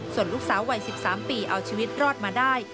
ส่วนลูกสาววัย๑๓ปีเอาชีวิตรอดมาได้